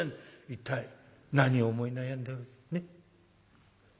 一体何を思い悩んでねっ？」。